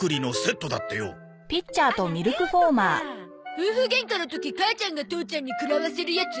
夫婦ゲンカの時母ちゃんが父ちゃんにくらわせるやつ？